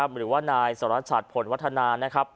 หรือว่านายสรชัดผลวัฒนานะครับ